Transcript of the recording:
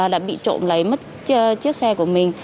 đã bị trộm lấy mất chiếc xe của mình